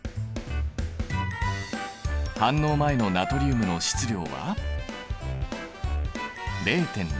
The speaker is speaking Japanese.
反応前のナトリウムの質量は。